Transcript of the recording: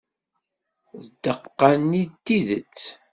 D ddeqqa-nni n tidet.